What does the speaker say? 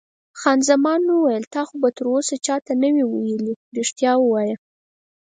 خان زمان وویل: تا خو به تراوسه چا ته نه وي ویلي؟ رښتیا وایه.